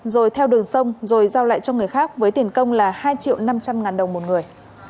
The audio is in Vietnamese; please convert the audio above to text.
rồi theo đường sông rồi giao lại cho người khác với tiền công là hai triệu năm trăm linh ngàn đồng một người